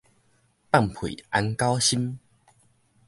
放屁安狗心